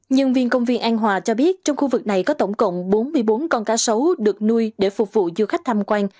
nhân viên công viên an hòa cho biết trong khu vực này có tổng cộng bốn mươi bốn con cá sấu được nuôi để phục vụ du khách tham quan